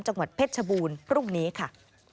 จังหวัดเพชรชบูรณ์พรุ่งนี้ค่ะ